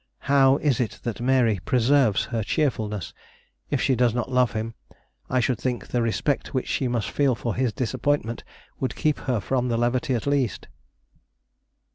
How is it that Mary preserves her cheerfulness? If she does not love him, I should think the respect which she must feel for his disappointment would keep her from levity at least.